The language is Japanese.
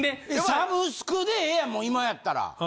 サブスクでええやんもう今やったら。